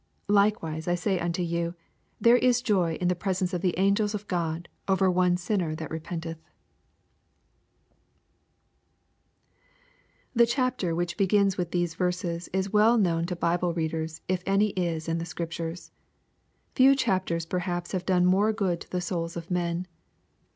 10 Likewise, I say unto you, there is joy in the presence of the angels o^ God over one sinner that repenteth The chapter which begins with these verses is well known to Bible readers if any is in the Scriptures. Few chap ters perhaps have done more good to the souls of men.